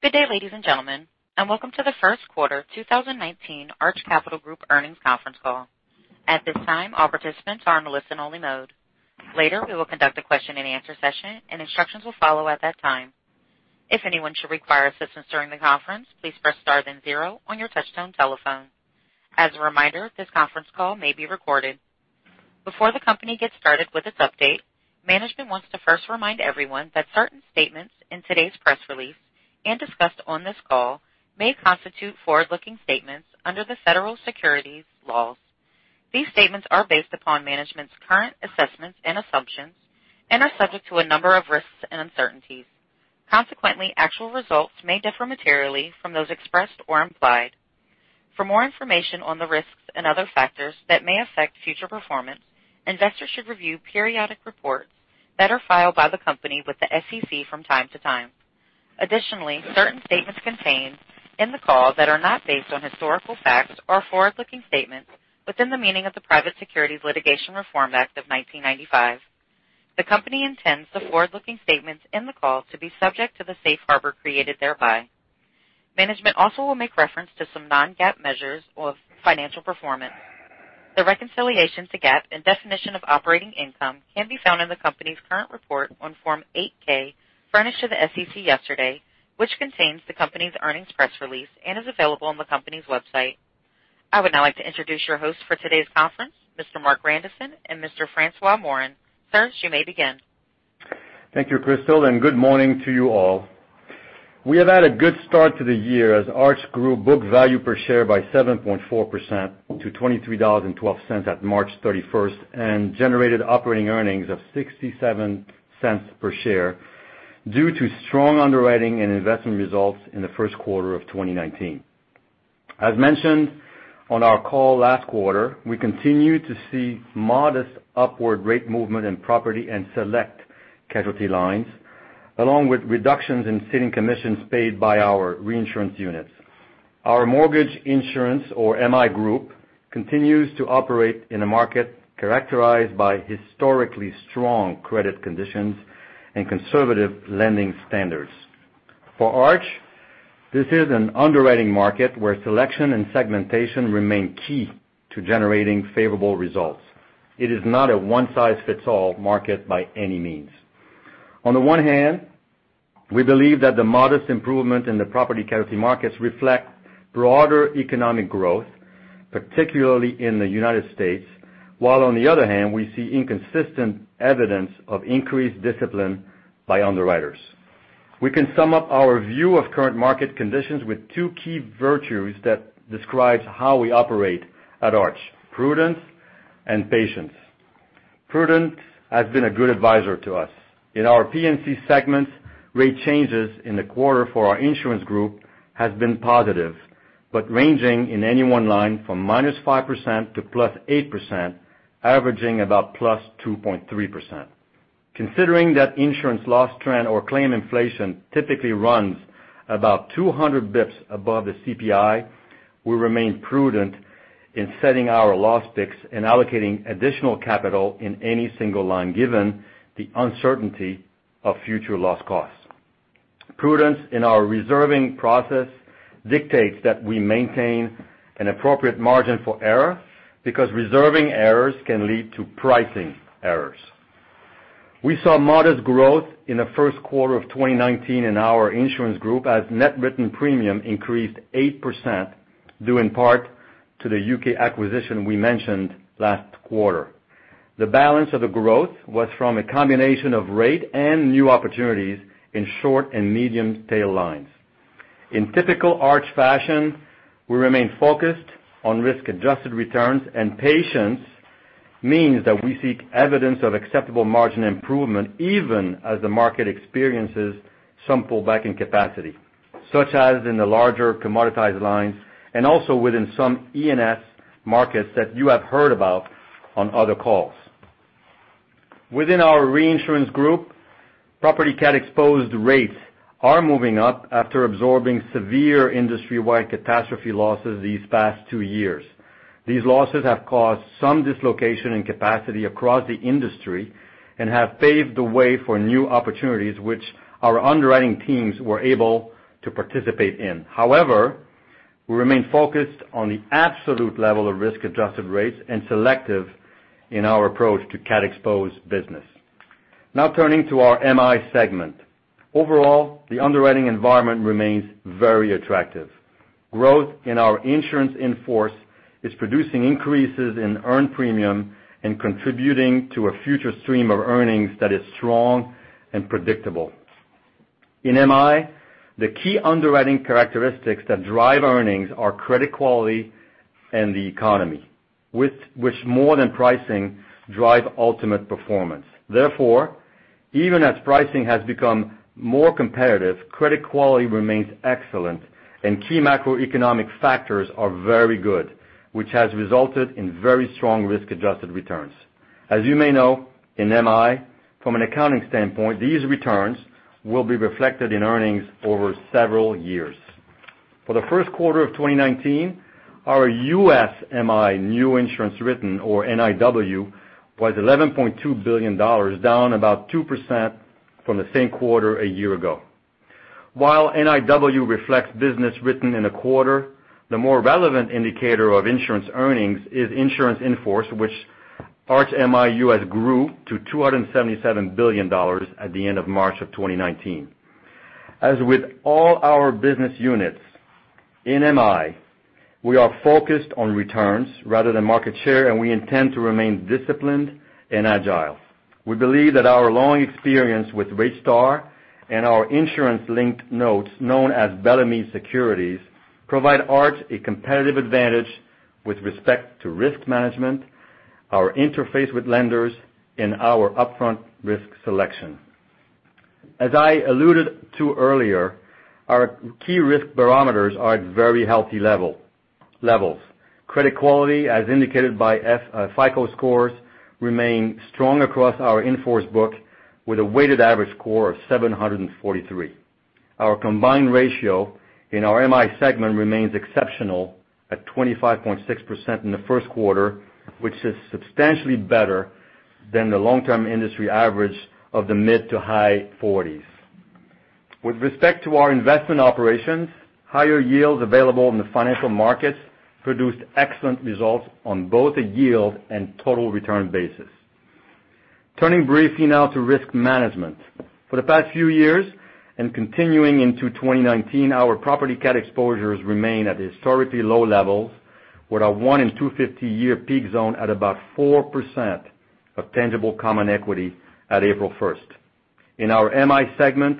Good day, ladies and gentlemen, welcome to the first quarter 2019 Arch Capital Group earnings conference call. At this time, all participants are on listen only mode. Later, we will conduct a question and answer session, instructions will follow at that time. If anyone should require assistance during the conference, please press star then zero on your touchtone telephone. As a reminder, this conference call may be recorded. Before the company gets started with its update, management wants to first remind everyone that certain statements in today's press release and discussed on this call may constitute forward-looking statements under the federal securities laws. These statements are based upon management's current assessments and assumptions and are subject to a number of risks and uncertainties. Consequently, actual results may differ materially from those expressed or implied. For more information on the risks and other factors that may affect future performance, investors should review periodic reports that are filed by the company with the SEC from time to time. Additionally, certain statements contained in the call that are not based on historical facts or forward-looking statements within the meaning of the Private Securities Litigation Reform Act of 1995. The company intends the forward-looking statements in the call to be subject to the safe harbor created thereby. Management also will make reference to some non-GAAP measures of financial performance. The reconciliation to GAAP and definition of operating income can be found in the company's current report on Form 8-K furnished to the SEC yesterday, which contains the company's earnings press release and is available on the company's website. I would now like to introduce your host for today's conference, Mr. Marc Grandisson and Mr. François Morin. Sirs, you may begin. Thank you, Crystal, good morning to you all. We have had a good start to the year as Arch Group book value per share by 7.4% to $23.12 at March 31st generated operating earnings of $0.67 per share due to strong underwriting and investment results in the first quarter of 2019. As mentioned on our call last quarter, we continue to see modest upward rate movement in property and select casualty lines, along with reductions in ceding commissions paid by our reinsurance units. Our mortgage insurance, or MI group, continues to operate in a market characterized by historically strong credit conditions and conservative lending standards. For Arch, this is an underwriting market where selection and segmentation remain key to generating favorable results. It is not a one-size-fits-all market by any means. We believe that the modest improvement in the property casualty markets reflect broader economic growth, particularly in the United States. On the other hand, we see inconsistent evidence of increased discipline by underwriters. We can sum up our view of current market conditions with two key virtues that describes how we operate at Arch, prudence and patience. Prudence has been a good advisor to us. In our P&C segments, rate changes in the quarter for our insurance group has been positive, but ranging in any one line from -5% to +8%, averaging about +2.3%. Considering that insurance loss trend or claim inflation typically runs about 200 basis points above the CPI, we remain prudent in setting our loss picks and allocating additional capital in any single line, given the uncertainty of future loss costs. Prudence in our reserving process dictates that we maintain an appropriate margin for error, because reserving errors can lead to pricing errors. We saw modest growth in the first quarter of 2019 in our insurance group as net written premium increased 8%, due in part to the U.K. acquisition we mentioned last quarter. The balance of the growth was from a combination of rate and new opportunities in short and medium tail lines. In typical Arch fashion, we remain focused on risk-adjusted returns, and patience means that we seek evidence of acceptable margin improvement even as the market experiences some pullback in capacity, such as in the larger commoditized lines and also within some E&S markets that you have heard about on other calls. Within our reinsurance group, property CAT exposed rates are moving up after absorbing severe industry-wide catastrophe losses these past two years. These losses have caused some dislocation in capacity across the industry and have paved the way for new opportunities which our underwriting teams were able to participate in. However, we remain focused on the absolute level of risk-adjusted rates and selective in our approach to CAT exposed business. Now turning to our MI segment. Overall, the underwriting environment remains very attractive. Growth in our insurance in force is producing increases in earned premium and contributing to a future stream of earnings that is strong and predictable. In MI, the key underwriting characteristics that drive earnings are credit quality and the economy, which more than pricing drive ultimate performance. Therefore, even as pricing has become more competitive, credit quality remains excellent and key macroeconomic factors are very good, which has resulted in very strong risk-adjusted returns. As you may know, in MI, from an accounting standpoint, these returns will be reflected in earnings over several years. For the first quarter of 2019, our U.S. MI new insurance written or NIW was $11.2 billion, down about 2% from the same quarter a year ago. NIW reflects business written in a quarter, the more relevant indicator of insurance earnings is insurance in force, which Arch MI U.S. grew to $277 billion at the end of March of 2019. As with all our business units, in MI, we are focused on returns rather than market share, and we intend to remain disciplined and agile. We believe that our long experience with RateStar and our insurance-linked notes, known as Bellemeade securities, provide Arch a competitive advantage with respect to risk management, our interface with lenders, and our upfront risk selection. As I alluded to earlier, our key risk barometers are at very healthy levels. Credit quality, as indicated by FICO scores, remain strong across our in-force book with a weighted average score of 743. Our combined ratio in our MI segment remains exceptional at 25.6% in the first quarter, which is substantially better than the long-term industry average of the mid to high 40s. With respect to our investment operations, higher yields available in the financial markets produced excellent results on both a yield and total return basis. Turning briefly now to risk management. For the past few years and continuing into 2019, our property CAT exposures remain at historically low levels with a one in 250-year peak zone at about 4% of tangible common equity at April 1st. In our MI segment,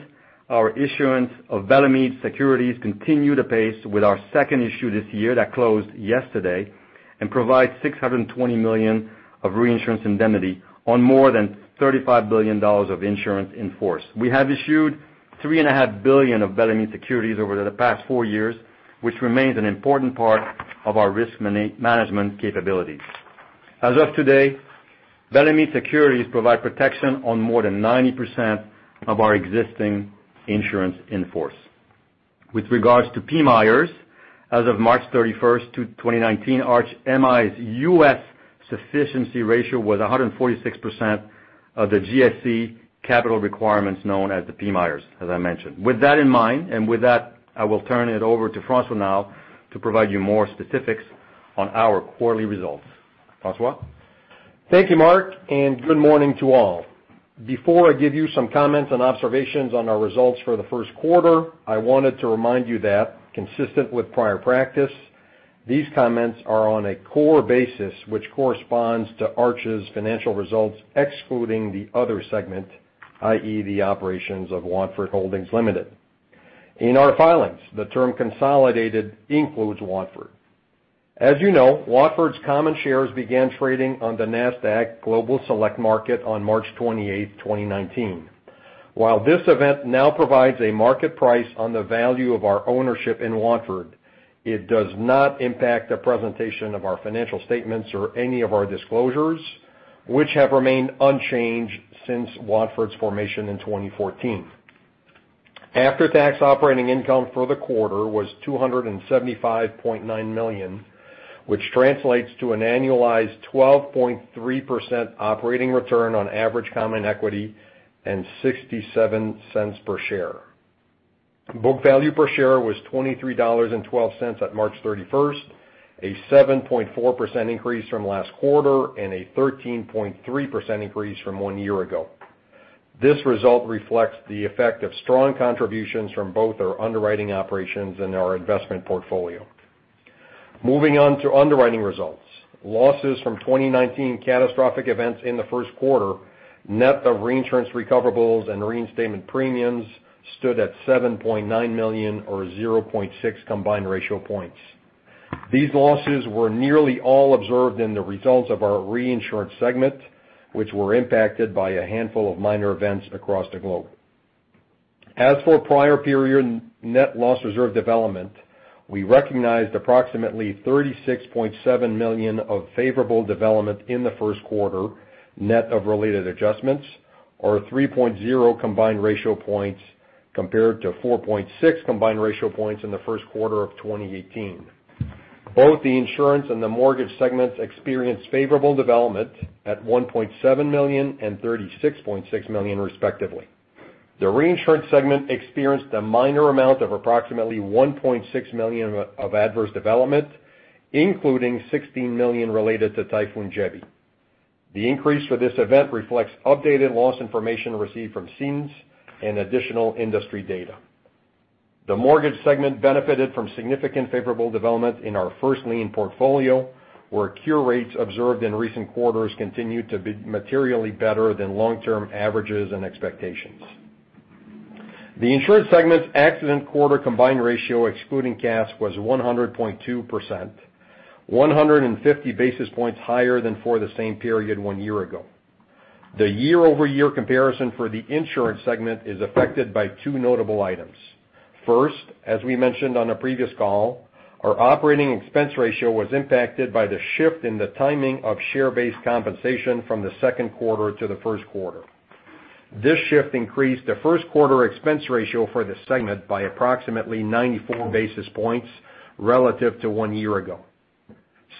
our issuance of Bellemeade securities continue the pace with our second issue this year that closed yesterday and provides $620 million of reinsurance indemnity on more than $35 billion of insurance in force. We have issued three and a half billion of Bellemeade securities over the past four years, which remains an important part of our risk management capabilities. As of today, Bellemeade securities provide protection on more than 90% of our existing insurance in force. With regards to PMIERs, as of March 31st, 2019, Arch MI's U.S. sufficiency ratio was 146% of the GSE capital requirements known as the PMIERs, as I mentioned. With that in mind, I will turn it over to François now to provide you more specifics on our quarterly results. François? Thank you, Marc. Good morning to all. Before I give you some comments and observations on our results for the first quarter, I wanted to remind you that consistent with prior practice, these comments are on a core basis which corresponds to Arch's financial results excluding the other segment, i.e., the operations of Watford Holdings Ltd. In our filings, the term consolidated includes Watford. As you know, Watford's common shares began trading on the Nasdaq Global Select Market on March 28th, 2019. This event now provides a market price on the value of our ownership in Watford, it does not impact the presentation of our financial statements or any of our disclosures, which have remained unchanged since Watford's formation in 2014. After-tax operating income for the quarter was $275.9 million, which translates to an annualized 12.3% operating return on average common equity and $0.67 per share. Book value per share was $23.12 at March 31st, a 7.4% increase from last quarter and a 13.3% increase from one year ago. This result reflects the effect of strong contributions from both our underwriting operations and our investment portfolio. Moving on to underwriting results. Losses from 2019 CAT events in the first quarter net of reinsurance recoverables and reinstatement premiums stood at $7.9 million or 0.6 combined ratio points. These losses were nearly all observed in the results of our reinsurance segment, which were impacted by a handful of minor events across the globe. As for prior period net loss reserve development, we recognized approximately $36.7 million of favorable development in the first quarter, net of related adjustments, or 3.0 combined ratio points compared to 4.6 combined ratio points in the first quarter of 2018. Both the insurance and the mortgage segments experienced favorable development at $1.7 million and $36.6 million respectively. The reinsurance segment experienced a minor amount of approximately $1.6 million of adverse development, including $16 million related to Typhoon Jebi. The increase for this event reflects updated loss information received from cedants and additional industry data. The mortgage segment benefited from significant favorable development in our first lien portfolio, where cure rates observed in recent quarters continue to be materially better than long-term averages and expectations. The insurance segment's accident quarter combined ratio excluding CAT was 100.2%, 150 basis points higher than for the same period one year ago. The year-over-year comparison for the insurance segment is affected by two notable items. First, as we mentioned on a previous call, our operating expense ratio was impacted by the shift in the timing of share-based compensation from the second quarter to the first quarter. This shift increased the first quarter expense ratio for the segment by approximately 94 basis points relative to one year ago.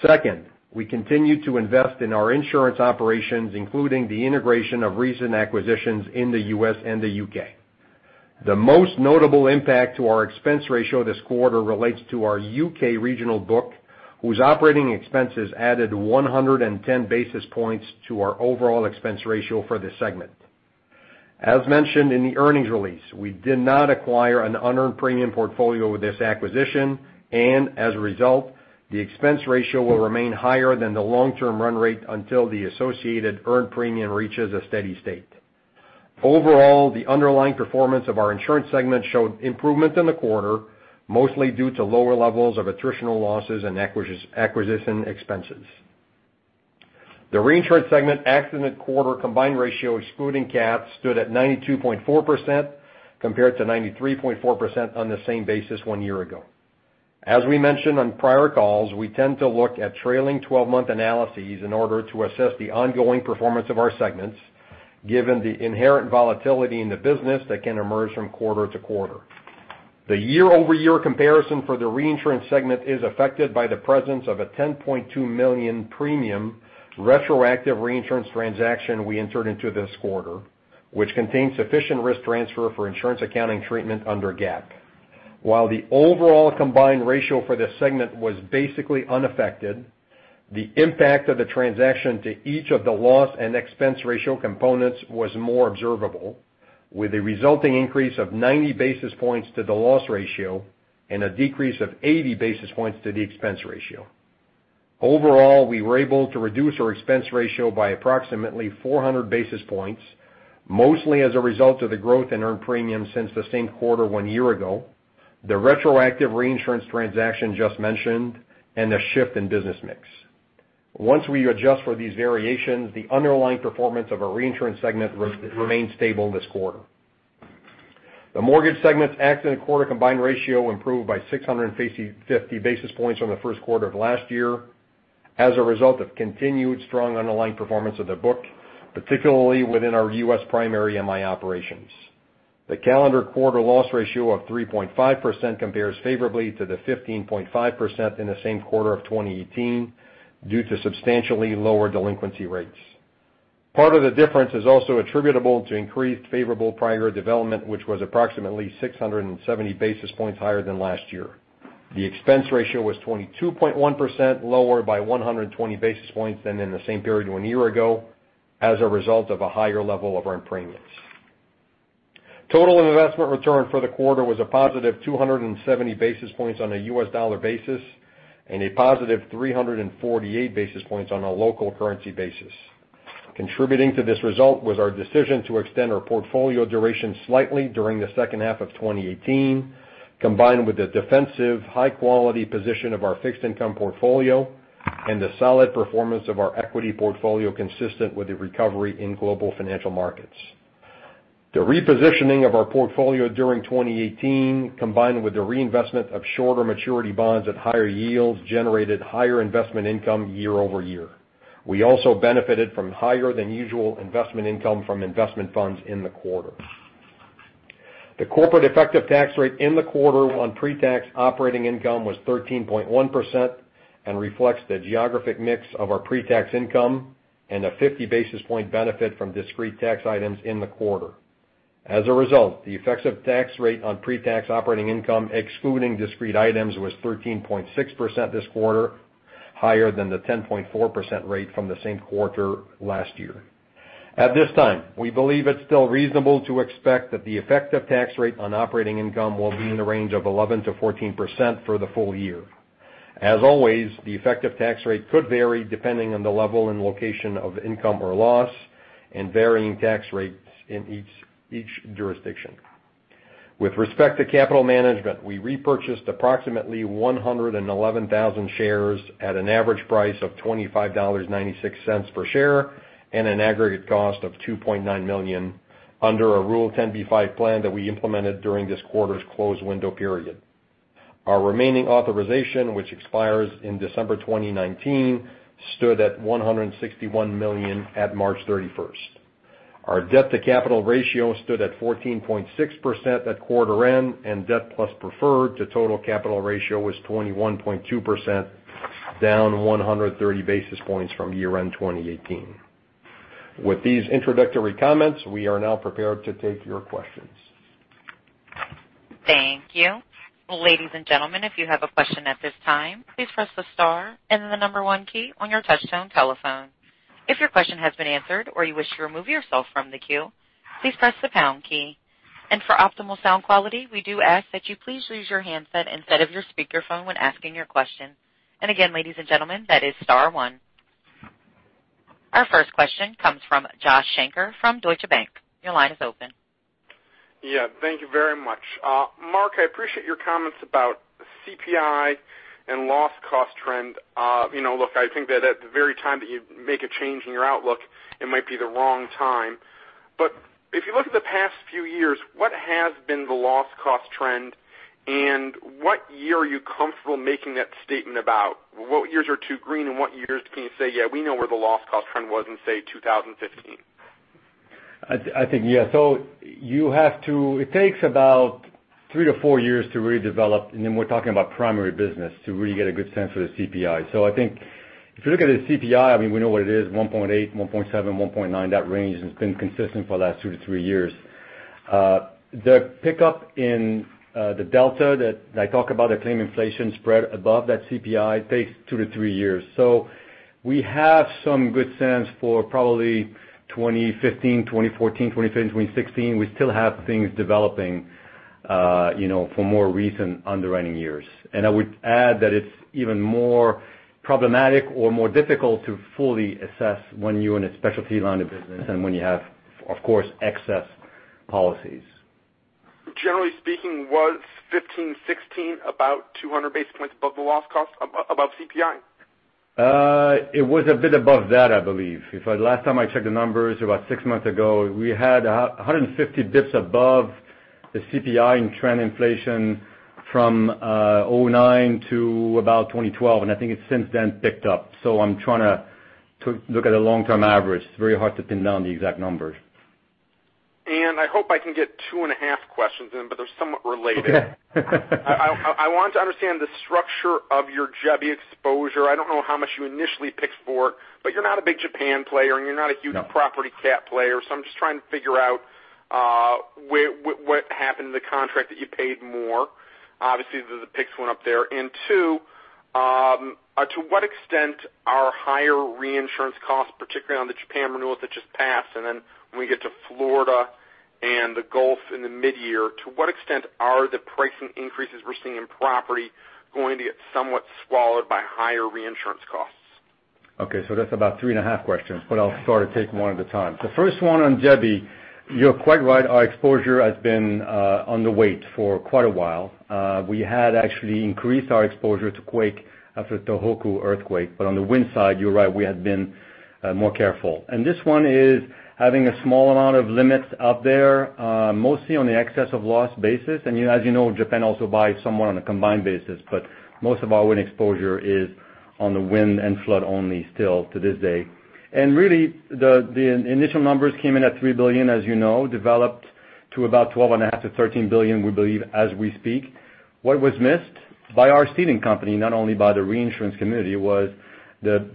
Second, we continued to invest in our insurance operations, including the integration of recent acquisitions in the U.S. and the U.K. The most notable impact to our expense ratio this quarter relates to our U.K. regional book, whose operating expenses added 110 basis points to our overall expense ratio for this segment. As mentioned in the earnings release, we did not acquire an unearned premium portfolio with this acquisition, and as a result, the expense ratio will remain higher than the long-term run rate until the associated earned premium reaches a steady state. Overall, the underlying performance of our insurance segment showed improvement in the quarter, mostly due to lower levels of attritional losses and acquisition expenses. The reinsurance segment accident quarter combined ratio excluding CAT stood at 92.4% compared to 93.4% on the same basis one year ago. As we mentioned on prior calls, we tend to look at trailing 12-month analyses in order to assess the ongoing performance of our segments, given the inherent volatility in the business that can emerge from quarter to quarter. The year-over-year comparison for the reinsurance segment is affected by the presence of a $10.2 million premium retroactive reinsurance transaction we entered into this quarter, which contains sufficient risk transfer for insurance accounting treatment under GAAP. While the overall combined ratio for this segment was basically unaffected, the impact of the transaction to each of the loss and expense ratio components was more observable, with a resulting increase of 90 basis points to the loss ratio and a decrease of 80 basis points to the expense ratio. Overall, we were able to reduce our expense ratio by approximately 400 basis points, mostly as a result of the growth in earned premiums since the same quarter one year ago, the retroactive reinsurance transaction just mentioned, and the shift in business mix. Once we adjust for these variations, the underlying performance of our reinsurance segment remained stable this quarter. The mortgage segment's accident quarter combined ratio improved by 650 basis points from the first quarter of last year as a result of continued strong underlying performance of the book, particularly within our U.S. primary MI operations. The calendar quarter loss ratio of 3.5% compares favorably to the 15.5% in the same quarter of 2018 due to substantially lower delinquency rates. Part of the difference is also attributable to increased favorable prior development, which was approximately 670 basis points higher than last year. The expense ratio was 22.1%, lower by 120 basis points than in the same period one year ago as a result of a higher level of earned premiums. Total investment return for the quarter was a positive 270 basis points on a U.S. dollar basis and a positive 348 basis points on a local currency basis. Contributing to this result was our decision to extend our portfolio duration slightly during the second half of 2018, combined with the defensive high-quality position of our fixed income portfolio and the solid performance of our equity portfolio consistent with the recovery in global financial markets. The repositioning of our portfolio during 2018, combined with the reinvestment of shorter maturity bonds at higher yields, generated higher investment income year-over-year. We also benefited from higher than usual investment income from investment funds in the quarter. The corporate effective tax rate in the quarter on pre-tax operating income was 13.1% and reflects the geographic mix of our pre-tax income and a 50 basis point benefit from discrete tax items in the quarter. As a result, the effective tax rate on pre-tax operating income excluding discrete items was 13.6% this quarter, higher than the 10.4% rate from the same quarter last year. At this time, we believe it's still reasonable to expect that the effective tax rate on operating income will be in the range of 11%-14% for the full year. The effective tax rate could vary depending on the level and location of income or loss and varying tax rates in each jurisdiction. With respect to capital management, we repurchased approximately 111,000 shares at an average price of $25.96 per share and an aggregate cost of $2.9 million under our Rule 10b5-1 plan that we implemented during this quarter's close window period. Our remaining authorization, which expires in December 2019, stood at $161 million at March 31st. Our debt-to-capital ratio stood at 14.6% at quarter end. Debt plus preferred to total capital ratio was 21.2%, down 130 basis points from year-end 2018. With these introductory comments, we are now prepared to take your questions. Thank you. Ladies and gentlemen, if you have a question at this time, please press the star and the number one key on your touchtone telephone. If your question has been answered or you wish to remove yourself from the queue, please press the pound key. For optimal sound quality, we do ask that you please use your handset instead of your speakerphone when asking your question. Again, ladies and gentlemen, that is star one. Our first question comes from Joshua Shanker from Deutsche Bank. Your line is open. Yeah. Thank you very much. Marc, I appreciate your comments about CPI and loss cost trend. Look, I think that at the very time that you make a change in your outlook, it might be the wrong time. If you look at the past few years, what has been the loss cost trend? What year are you comfortable making that statement about? What years are too green, and what years can you say, "Yeah, we know where the loss cost trend was in, say, 2015? I think, yeah. It takes about three to four years to really develop, and then we're talking about primary business, to really get a good sense for the CPI. I think if you look at a CPI, we know what it is, 1.8, 1.7, 1.9, that range. It's been consistent for the last two to three years. The pickup in the delta that I talk about, the claim inflation spread above that CPI, takes two to three years. We have some good sense for probably 2015, 2014, 2015, 2016. We still have things developing for more recent underwriting years. I would add that it's even more problematic or more difficult to fully assess when you're in a specialty line of business than when you have, of course, excess policies. Generally speaking, was 2015, 2016 about 200 basis points above the loss cost above CPI? It was a bit above that, I believe. Last time I checked the numbers, about six months ago, we had 150 basis points above the CPI in trend inflation from 2009 to about 2012, and I think it's since then picked up. I'm trying to look at a long-term average. It's very hard to pin down the exact numbers. I hope I can get two and a half questions in, they're somewhat related. Okay. I want to understand the structure of your Jebi exposure. I don't know how much you initially picked for, you're not a big Japan player, you're not a huge property cat player. I'm just trying to figure out what happened in the contract that you paid more. Obviously, the picks went up there. Two, to what extent are higher reinsurance costs, particularly on the Japan renewals that just passed, then when we get to Florida and the Gulf in the mid-year, to what extent are the pricing increases we're seeing in property going to get somewhat swallowed by higher reinsurance costs? That's about three and a half questions, I'll sort of take one at a time. First one on Jebi. You're quite right, our exposure has been on the wait for quite a while. We had actually increased our exposure to quake after Tohoku earthquake. On the wind side, you're right, we had been more careful. This one is having a small amount of limits out there, mostly on the excess of loss basis. As you know, Japan also buys somewhat on a combined basis, most of our wind exposure is on the wind and flood only still to this day. Really, the initial numbers came in at $3 billion, as you know, developed to about $12 and a half billion to $13 billion, we believe, as we speak. What was missed by our ceding company, not only by the reinsurance community, was the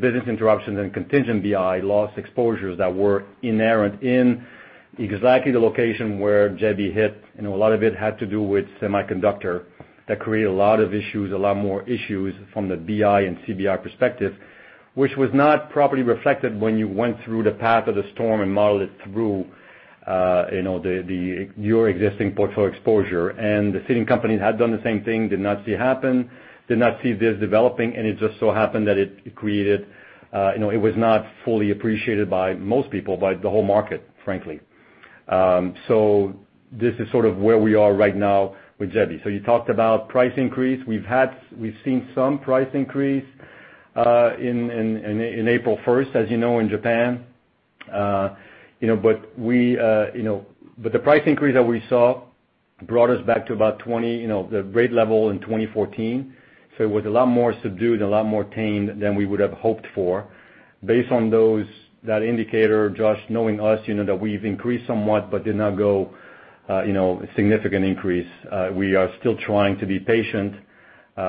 business interruptions and contingent BI loss exposures that were inherent in exactly the location where Jebi hit. A lot of it had to do with semiconductor. That created a lot of issues, a lot more issues from the BI and CBI perspective, which was not properly reflected when you went through the path of the storm and modeled it through your existing portfolio exposure. The ceding company had done the same thing, did not see it happen, did not see this developing, it just so happened that it was not fully appreciated by most people, by the whole market, frankly. This is sort of where we are right now with Jebi. You talked about price increase. We've seen some price increase in April 1st, as you know, in Japan. The price increase that we saw brought us back to about the rate level in 2014. It was a lot more subdued and a lot more tame than we would have hoped for. Based on that indicator, Josh, knowing us, you know that we've increased somewhat but did not go significant increase. We are still trying to be patient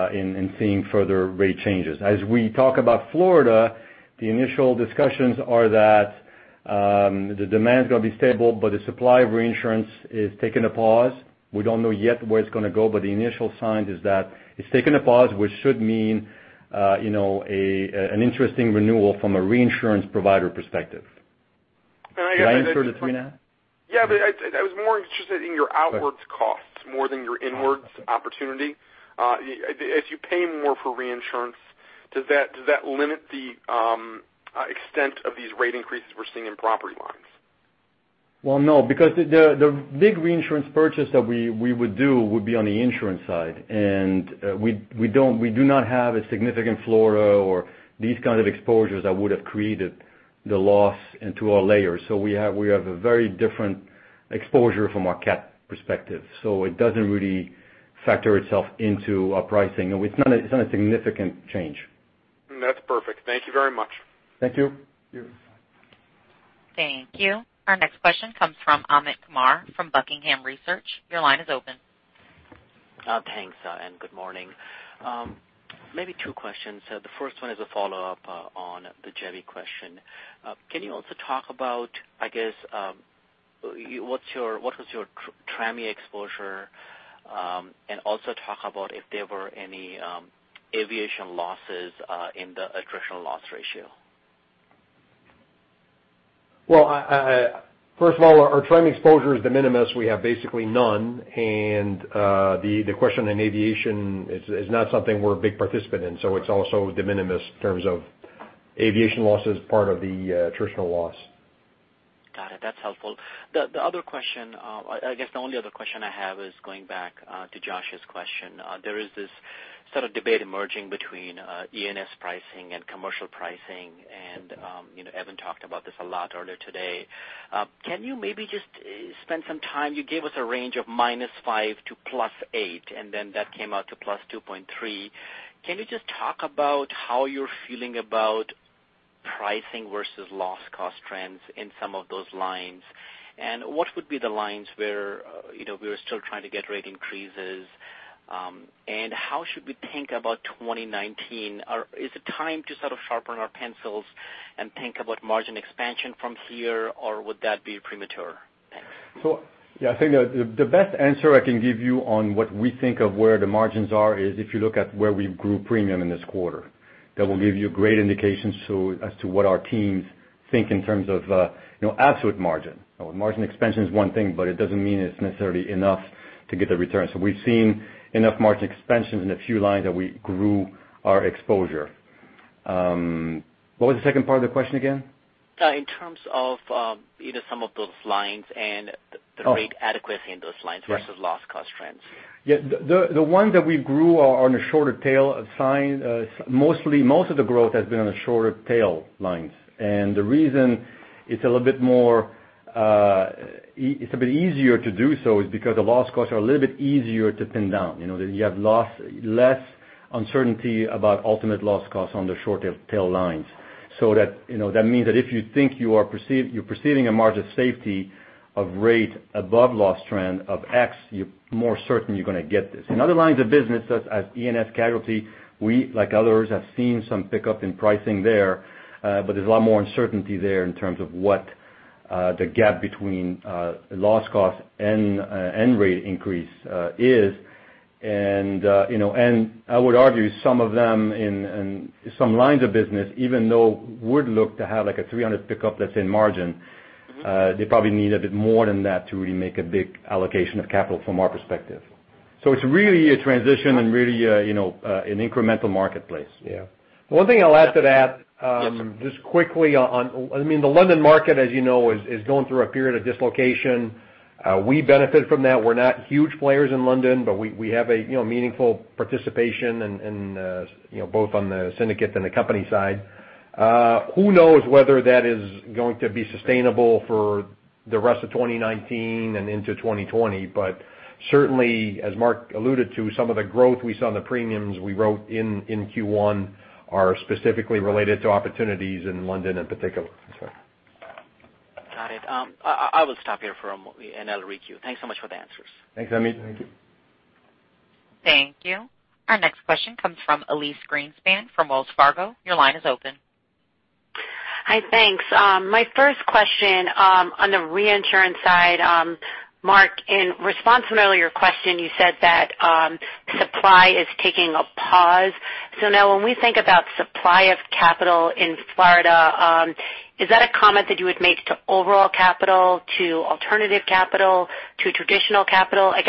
in seeing further rate changes. As we talk about Florida, the initial discussions are that the demand's going to be stable, but the supply of reinsurance has taken a pause. We don't know yet where it's going to go, but the initial sign is that it's taken a pause, which should mean an interesting renewal from a reinsurance provider perspective. Did I answer the three now? Yeah. I was more interested in your outwards costs more than your inwards opportunity. As you pay more for reinsurance, does that limit the extent of these rate increases we're seeing in property lines? Well, no, because the big reinsurance purchase that we would do would be on the insurance side, and we do not have a significant Florida or these kind of exposures that would have created the loss into our layers. We have a very different exposure from our CAT perspective. It doesn't really factor itself into our pricing. It's not a significant change. That's perfect. Thank you very much. Thank you. Thank you. Our next question comes from Amit Kumar from Buckingham Research. Your line is open. Thanks. Good morning. Maybe two questions. The first one is a follow-up on the Jebi question. Can you also talk about, I guess, what was your Trami exposure, and also talk about if there were any aviation losses in the attritional loss ratio? Well, first of all, our Trami exposure is de minimis. We have basically none. The question in aviation is not something we're a big participant in. It's also de minimis in terms of aviation losses, part of the attritional loss. Got it. That's helpful. The other question, I guess the only other question I have is going back to Josh's question. There is this sort of debate emerging between E&S pricing and commercial pricing. Evan talked about this a lot earlier today. Can you maybe just spend some time? You gave us a range of -5 to +8, and then that came out to +2.3. Can you just talk about how you're feeling about pricing versus loss cost trends in some of those lines? What would be the lines where we're still trying to get rate increases? How should we think about 2019? Is it time to sort of sharpen our pencils and think about margin expansion from here, or would that be premature? Thanks. Yeah, I think the best answer I can give you on what we think of where the margins are is if you look at where we grew premium in this quarter. That will give you great indications as to what our teams think in terms of absolute margin. Margin expansion is one thing, it doesn't mean it's necessarily enough to get the return. We've seen enough margin expansions in a few lines that we grew our exposure. What was the second part of the question again? In terms of either some of those lines and the rate adequacy in those lines versus loss cost trends. Yeah. The ones that we grew are on a shorter tail of sign. Most of the growth has been on the shorter tail lines. The reason it's a bit easier to do so is because the loss costs are a little bit easier to pin down. You have less uncertainty about ultimate loss costs on the shorter tail lines. That means that if you think you're proceeding a margin of safety of rate above loss trend of X, you're more certain you're going to get this. In other lines of business such as E&S casualty, we, like others, have seen some pickup in pricing there's a lot more uncertainty there in terms of what the gap between loss cost and end rate increase is. I would argue some of them in some lines of business, even though we'd look to have like a 300 pickup, let's say, in margin, they probably need a bit more than that to really make a big allocation of capital from our perspective. It's really a transition and really an incremental marketplace. Yeah. One thing I'll add to that. Yes Just quickly on, the London market, as you know, is going through a period of dislocation. We benefit from that. We're not huge players in London, but we have a meaningful participation both on the syndicate and the company side. Who knows whether that is going to be sustainable for the rest of 2019 and into 2020. Certainly, as Marc alluded to, some of the growth we saw in the premiums we wrote in Q1 are specifically related to opportunities in London in particular. Got it. I will stop here and I'll re-queue. Thanks so much for the answers. Thanks, Amit. Thank you. Thank you. Our next question comes from Elyse Greenspan from Wells Fargo. Your line is open. Hi, thanks. My first question, on the reinsurance side, Marc, in response to an earlier question, you said that supply is taking a pause. Now when we think about supply of capital in Florida, is that a comment that you would make to overall capital, to alternative capital, to traditional capital? As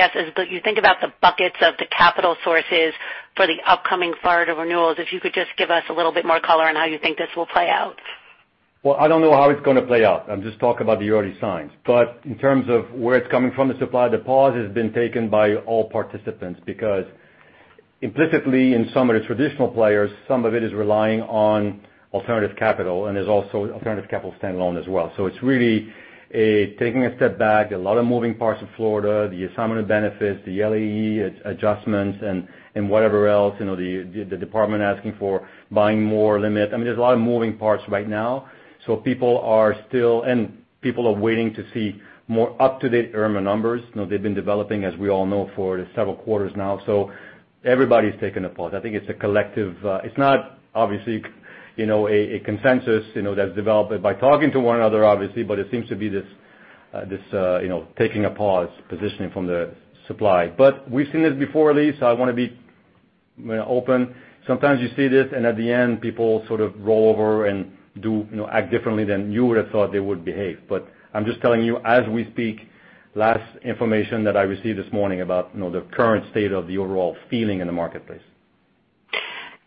you think about the buckets of the capital sources for the upcoming Florida renewals, if you could just give us a little bit more color on how you think this will play out. Well, I don't know how it's going to play out. I'm just talking about the early signs. In terms of where it's coming from, the supply, the pause has been taken by all participants because implicitly in some of the traditional players, some of it is relying on alternative capital, and there's also alternative capital standalone as well. It's really taking a step back, a lot of moving parts in Florida, the assignment of benefits, the LAE adjustments and whatever else, the department asking for buying more limit. There's a lot of moving parts right now, so people are still waiting to see more up-to-date Irma numbers. They've been developing, as we all know, for several quarters now. Everybody's taken a pause. I think it's a collective. Okay, thanks. It's not obviously a consensus that's developed by talking to one another, obviously, but it seems to be this taking a pause positioning from the supply. We've seen this before, Elyse, I want to be open. Sometimes you see this, at the end, people sort of roll over and act differently than you would have thought they would behave. I'm just telling you, as we speak, last information that I received this morning about the current state of the overall feeling in the marketplace.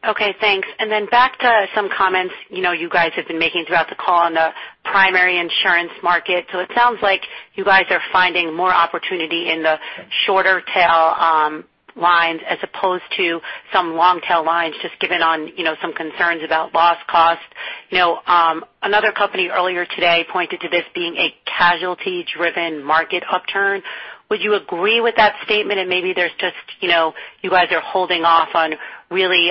Okay, thanks. Then back to some comments you guys have been making throughout the call on the primary insurance market. It sounds like you guys are finding more opportunity in the shorter tail lines as opposed to some long-tail lines, just given on some concerns about loss cost. Another company earlier today pointed to this being a casualty-driven market upturn. Would you agree with that statement? Maybe you guys are holding off on really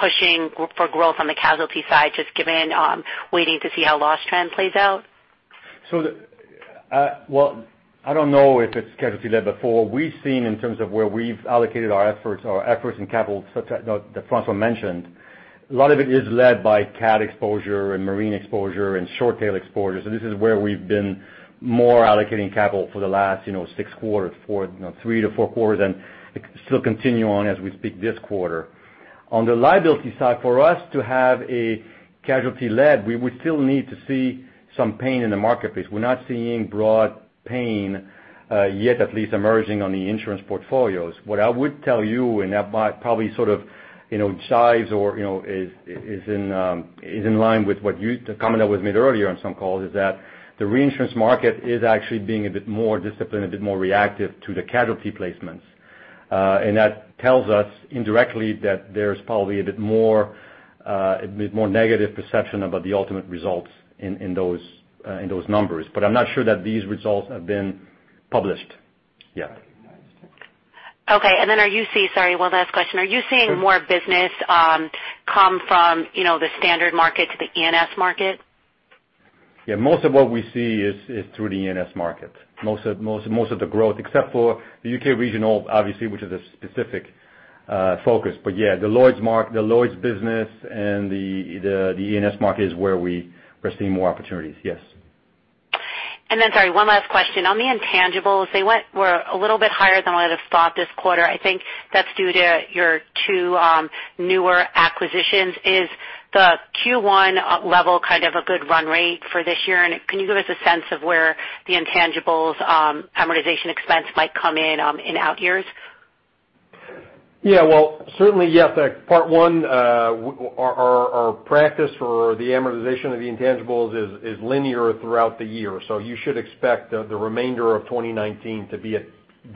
pushing for growth on the casualty side, just given waiting to see how loss trend plays out. I don't know if it's casualty-led, for we've seen in terms of where we've allocated our efforts in capital such as François mentioned, a lot of it is led by CAT exposure and marine exposure and short-tail exposure. This is where we've been more allocating capital for the last six quarters, three to four quarters, and still continue on as we speak this quarter. On the liability side, for us to have a casualty-led, we would still need to see some pain in the marketplace. We're not seeing broad pain yet, at least emerging on the insurance portfolios. What I would tell you, that might probably jives or is in line with what you commented with me earlier on some calls is that the reinsurance market is actually being a bit more disciplined, a bit more reactive to the casualty placements. That tells us indirectly that there's probably a bit more negative perception about the ultimate results in those numbers. I'm not sure that these results have been published yet. Okay. Sorry, one last question. Are you seeing more business come from the standard market to the E&S market? Yeah, most of what we see is through the E&S market. Most of the growth, except for the U.K. regional, obviously, which is a specific focus. The Lloyd's business and the E&S market is where we are seeing more opportunities, yes. Sorry, one last question. On the intangibles, they were a little bit higher than what I'd have thought this quarter. I think that's due to your two newer acquisitions. Is the Q1 level kind of a good run rate for this year, can you give us a sense of where the intangibles amortization expense might come in in out years? Well, certainly yes, part one, our practice for the amortization of the intangibles is linear throughout the year. You should expect the remainder of 2019 to be at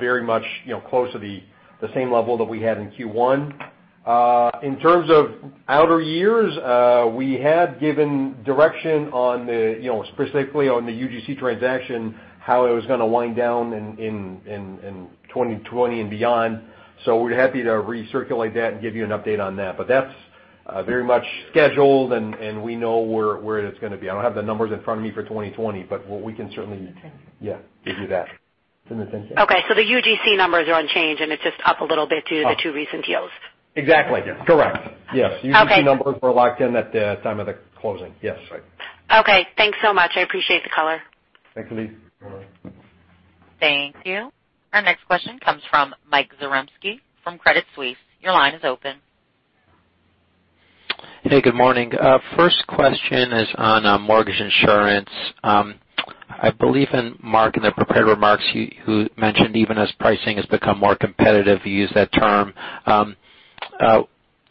very much close to the same level that we had in Q1. In terms of outer years, we had given direction specifically on the UGC transaction, how it was going to wind down in 2020 and beyond. We're happy to recirculate that and give you an update on that. That's very much scheduled, and we know where it's going to be. I don't have the numbers in front of me for 2020, but we can certainly give you that. It's in the same thing. Okay, the UGC numbers are unchanged, and it's just up a little bit due to the two recent deals. Exactly. Correct. Yes. Okay. UGC numbers were locked in at the time of the closing. Yes. Right. Okay, thanks so much. I appreciate the color. Thanks, Elyse. Thank you. Our next question comes from Michael Zaremski from Credit Suisse. Your line is open. Hey, good morning. First question is on mortgage insurance. I believe, Marc, in the prepared remarks, you mentioned even as pricing has become more competitive, you used that term.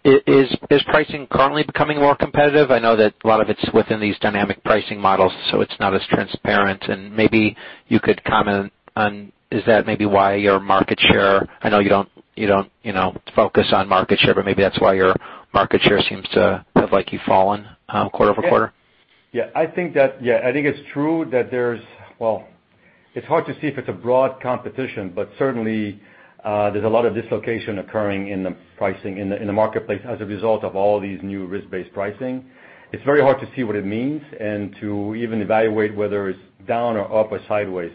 Is pricing currently becoming more competitive? I know that a lot of it's within these dynamic pricing models, so it's not as transparent. Maybe you could comment on is that maybe why your market share, I know you don't focus on market share, but maybe that's why your market share seems to have fallen quarter-over-quarter. I think it's true that there's Well, it's hard to see if it's a broad competition, but certainly, there's a lot of dislocation occurring in the pricing in the marketplace as a result of all these new risk-based pricing. It's very hard to see what it means and to even evaluate whether it's down or up or sideways.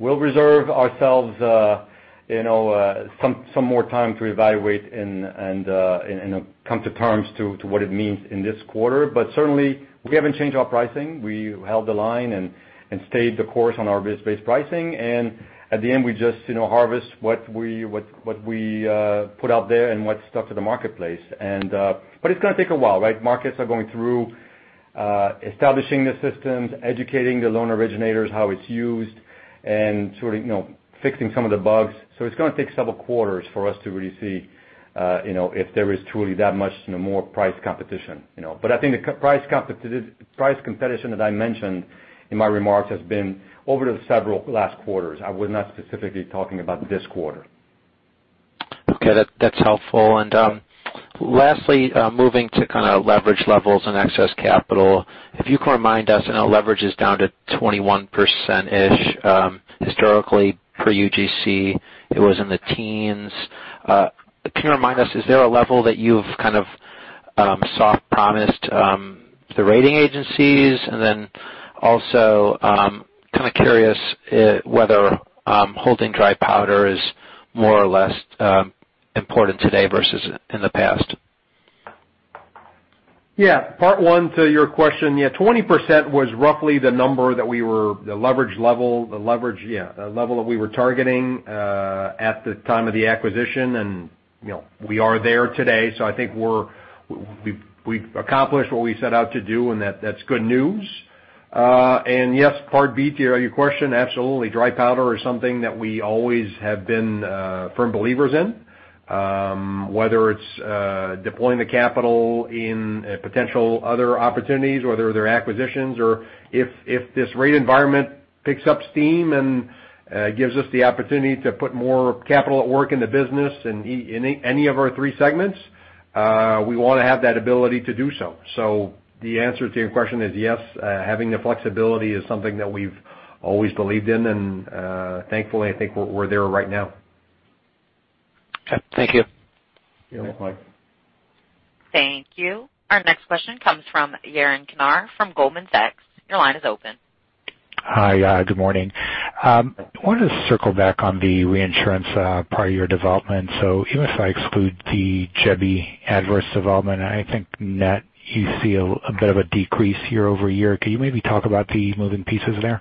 We'll reserve ourselves some more time to evaluate and come to terms to what it means in this quarter. Certainly, we haven't changed our pricing. We held the line and stayed the course on our risk-based pricing. At the end, we just harvest what we put out there and what's stuck to the marketplace. It's going to take a while, right? Markets are going through establishing the systems, educating the loan originators how it's used, and sort of fixing some of the bugs. It's going to take several quarters for us to really see if there is truly that much more price competition. I think the price competition that I mentioned in my remarks has been over the several last quarters. I was not specifically talking about this quarter. Okay. That's helpful. Lastly, moving to kind of leverage levels and excess capital, if you could remind us, I know leverage is down to 21%. Historically, per UGC, it was in the teens. Can you remind us, is there a level that you've kind of soft promised the rating agencies? Then also kind of curious whether holding dry powder is more or less important today versus in the past. Part one to your question. 20% was roughly the leverage level that we were targeting at the time of the acquisition, and we are there today. I think we've accomplished what we set out to do, and that's good news. Yes, part B to your question, absolutely. Dry powder is something that we always have been firm believers in, whether it's deploying the capital in potential other opportunities, whether they're acquisitions or if this rate environment picks up steam and gives us the opportunity to put more capital at work in the business in any of our three segments, we want to have that ability to do so. The answer to your question is yes, having the flexibility is something that we've always believed in, and thankfully, I think we're there right now. Okay. Thank you. You're welcome. Thank you. Our next question comes from Yaron Kinar from Goldman Sachs. Your line is open. Hi. Good morning. I want to circle back on the reinsurance part of your development. Even if I exclude the Jebi adverse development, I think net, you see a bit of a decrease year-over-year. Can you maybe talk about the moving pieces there?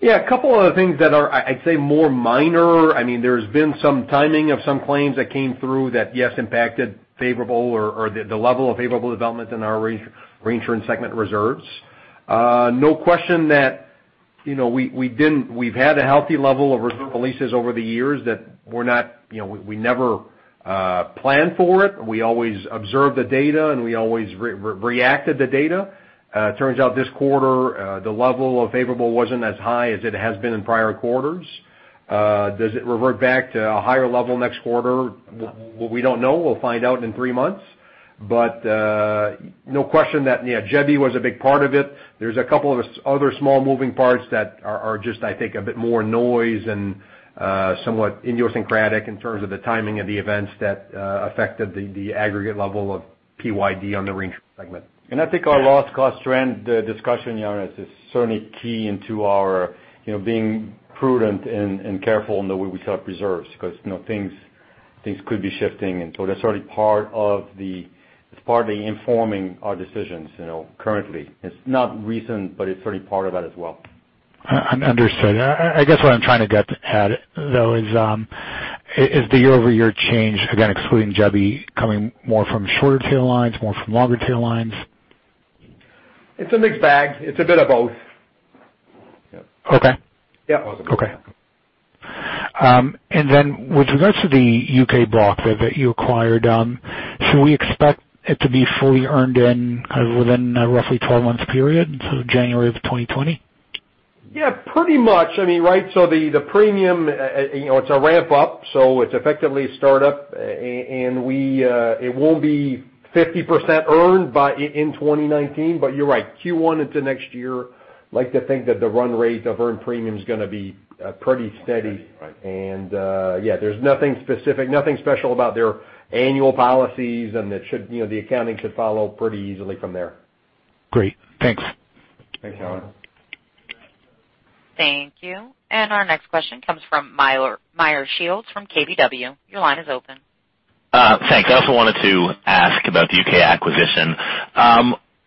Yeah. A couple other things that are, I'd say, more minor. There's been some timing of some claims that came through that, yes, impacted favorable or the level of favorable development in our reinsurance segment reserves. No question that we've had a healthy level of reserve releases over the years that we never planned for it. We always observed the data, and we always reacted to the data. It turns out this quarter, the level of favorable wasn't as high as it has been in prior quarters. Does it revert back to a higher level next quarter? We don't know. We'll find out in 3 months. No question that, yeah, Jebi was a big part of it. There's a couple of other small moving parts that are just, I think, a bit more noise and somewhat idiosyncratic in terms of the timing of the events that affected the aggregate level of PYD on the reinsurance segment. I think our loss cost trend discussion, Yaron, is certainly key into our being prudent and careful in the way we set up reserves. Things could be shifting, and so that's already part of the informing our decisions currently. It's not recent, but it's certainly part of that as well. Understood. I guess what I'm trying to get at though is the year-over-year change, again, excluding Jebi, coming more from shorter tail lines, more from longer tail lines? It's a mixed bag. It's a bit of both. Okay. Yeah. Okay. Then with regards to the U.K. block that you acquired, should we expect it to be fully earned in kind of within a roughly 12 months period? So January of 2020? Yeah, pretty much. The premium, it's a ramp-up, it's effectively a startup, it won't be 50% earned in 2019. You're right, Q1 into next year, like to think that the run rate of earned premium's going to be pretty steady. Right. Yeah, there's nothing specific, nothing special about their annual policies, the accounting should follow pretty easily from there. Great. Thanks. Thanks, Yaron. Thank you. Our next question comes from Meyer Shields from KBW. Your line is open. Thanks. I also wanted to ask about the U.K. acquisition.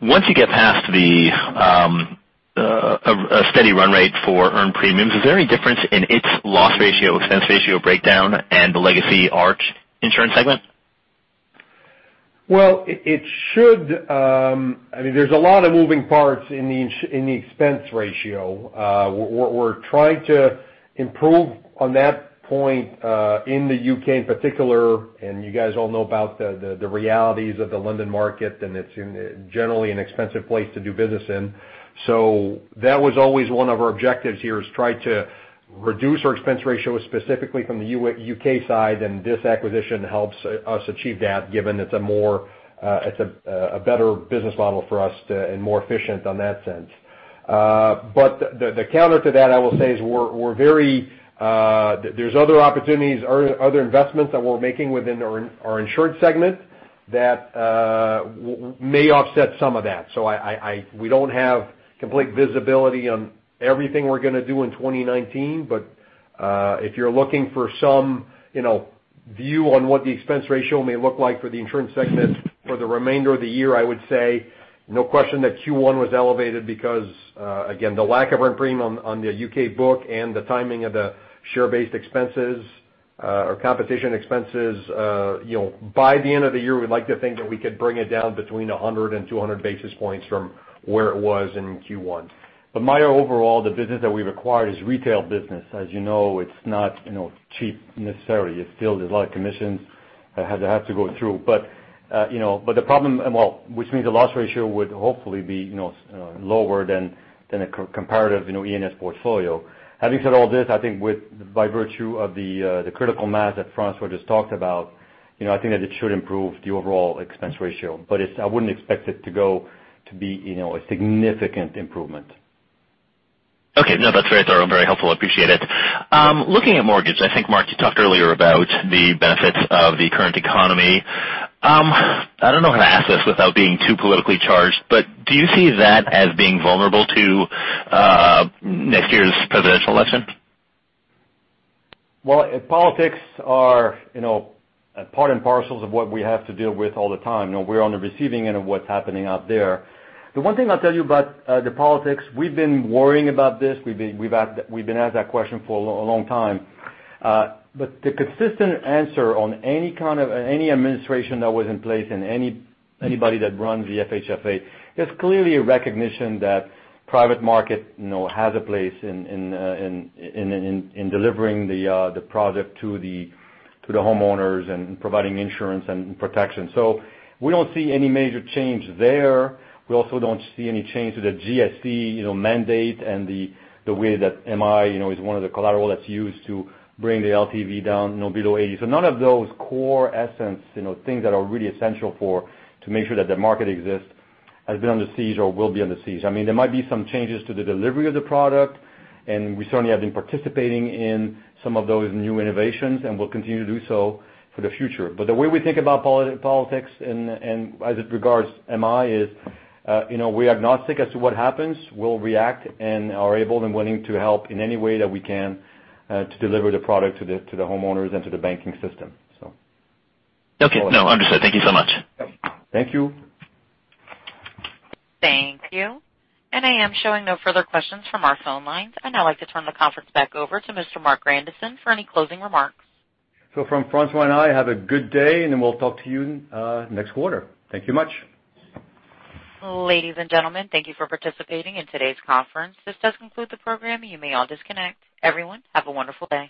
Once you get past a steady run rate for earned premiums, is there any difference in its loss ratio, expense ratio breakdown and the legacy Arch insurance segment? Well, there's a lot of moving parts in the expense ratio. We're trying to improve on that point in the U.K. in particular, and you guys all know about the realities of the London market, and it's generally an expensive place to do business in. That was always one of our objectives here is try to reduce our expense ratio specifically from the U.K. side, and this acquisition helps us achieve that, given it's a better business model for us and more efficient on that sense. The counter to that, I will say, is there's other opportunities or other investments that we're making within our insurance segment that may offset some of that. We don't have complete visibility on everything we're going to do in 2019. If you're looking for some view on what the expense ratio may look like for the insurance segment for the remainder of the year, I would say no question that Q1 was elevated because again, the lack of earned premium on the U.K. book and the timing of the share-based expenses or compensation expenses. By the end of the year, we'd like to think that we could bring it down between 100 and 200 basis points from where it was in Q1. Meyer, overall, the business that we've acquired is retail business. As you know, it's not cheap necessarily. It's still there's a lot of commissions that have to go through. Which means the loss ratio would hopefully be lower than a comparative E&S portfolio. Having said all this, I think by virtue of the critical mass that François just talked about, I think that it should improve the overall expense ratio. I wouldn't expect it to be a significant improvement. Okay. No, that's very thorough and very helpful. Appreciate it. Looking at mortgage, I think, Marc, you talked earlier about the benefits of the current economy. I don't know how to ask this without being too politically charged, do you see that as being vulnerable to next year's presidential election? Well, politics are part and parcels of what we have to deal with all the time. We're on the receiving end of what's happening out there. The one thing I'll tell you about the politics, we've been worrying about this. We've been asked that question for a long time. The consistent answer on any kind of any administration that was in place and anybody that runs the FHFA, there's clearly a recognition that private market has a place in delivering the product to the homeowners and providing insurance and protection. We don't see any major change there. We also don't see any change to the GSE mandate and the way that MI is one of the collateral that's used to bring the LTV down below 80. None of those core essence things that are really essential to make sure that the market exists has been under siege or will be under siege. There might be some changes to the delivery of the product, and we certainly have been participating in some of those new innovations, and we'll continue to do so for the future. The way we think about politics and as it regards MI is we're agnostic as to what happens. We'll react and are able and willing to help in any way that we can to deliver the product to the homeowners and to the banking system. Okay. No, understood. Thank you so much. Thank you. Thank you. I am showing no further questions from our phone lines. I'd now like to turn the conference back over to Mr. Marc Grandisson for any closing remarks. From François and I, have a good day, we'll talk to you next quarter. Thank you much. Ladies and gentlemen, thank you for participating in today's conference. This does conclude the program. You may all disconnect. Everyone, have a wonderful day.